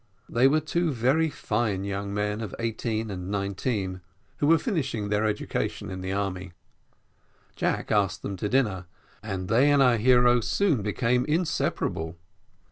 They were two very fine young men of eighteen and nineteen, who were finishing their education in the army. Jack asked them to dinner, and they and our hero soon became inseparable.